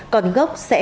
còn gốc sẽ